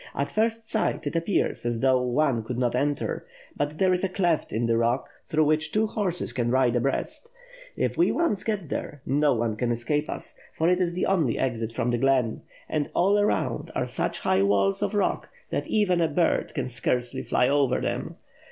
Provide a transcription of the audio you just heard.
At first sight, it appears as though one could not enter; but there is a cleft in the rock, through which two horses can ride abreast. If we once get there, no one can escape us, for it is the only exit from the glen; and all around are such high walls of rock than even a bird can scarcely fiy over them.